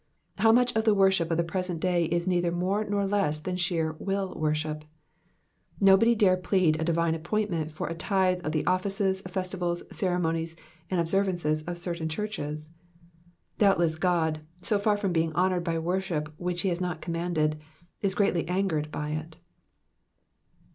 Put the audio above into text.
How much of the worship of the present day is neither more nor less than sheer will worship ! Nobody dare plead a divine appointment for a tithe of the offices, festivals, ceremonies, and observances of certain churches. Doubtless God, so far from being honoured by worship which he has not commanded, is greatly angered at it.